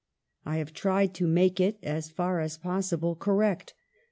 I have tried to make it, as far as possible, correct.